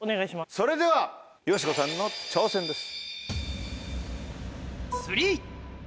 それではよしこさんの挑戦です。